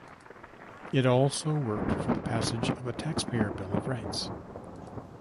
It also worked for the passage of a Taxpayer Bill of Rights.